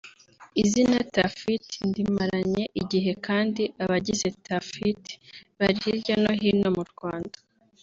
Izina Tuff Hit ndimaranye igihe kandi abagize Tuff Hit bari hirya no hino mu Rwanda